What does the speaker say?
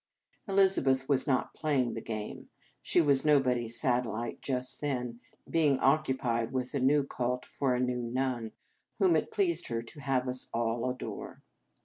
Elizabeth was not playing the game. She was nobody s satellite just then, being occupied with a new cult for a new nun, whom it pleased her to have us all adore.